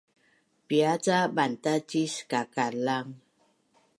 Piia ca bantacis kakalang?